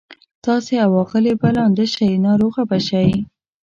تاسي او آغلې به لانده شئ او ناروغه به شئ.